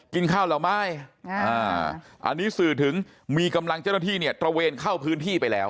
กินข้าวเหล่าไม้อันนี้สื่อถึงมีกำลังเจ้าหน้าที่เนี่ยตระเวนเข้าพื้นที่ไปแล้ว